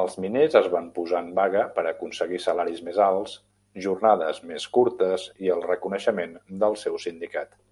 Els miners es van posar en vaga per aconseguir salaris més alts, jornades més curtes i el reconeixement del seu sindicat.